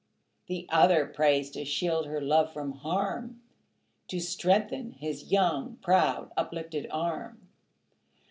The other prays to shield her love from harm, To strengthen his young, proud uplifted arm.